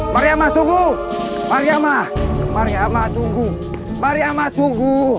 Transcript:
mariama tunggu mariama mariama tunggu mariama tunggu